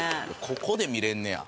ここで見れんねや。